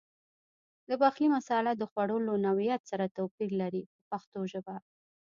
د پخلي مساله د خوړو له نوعیت سره توپیر لري په پښتو ژبه.